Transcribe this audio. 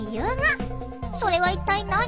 それは一体何？